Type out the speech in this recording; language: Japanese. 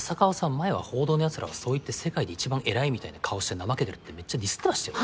前は報道のやつらはそう言って世界で一番偉いみたいな顔して怠けてるってめっちゃディスってましたよね？